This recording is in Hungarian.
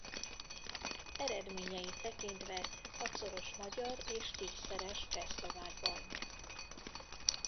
Eredményeit tekintve hatszoros magyar és tízszeres csehszlovák bajnok.